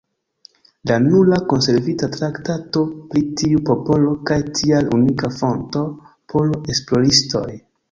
La nura konservita traktato pri tiu popolo kaj tial unika fonto por esploristoj.